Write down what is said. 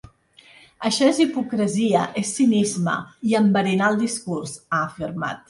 Això és hipocresia, és cinisme i enverinar el discurs, ha afirmat.